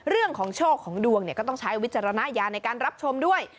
เรื่องของโชคของดวงเนี่ยก็ต้องใช้วิจารณญาณในการรับชมด้วย